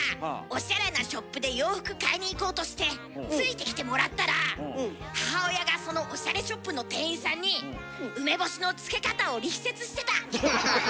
オシャレなショップで洋服買いに行こうとしてついてきてもらったら母親がそのオシャレショップの店員さんに梅干しの漬け方を力説してた！